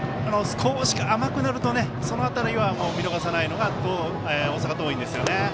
少し甘くなるとその辺りは見逃さないのが大阪桐蔭ですよね。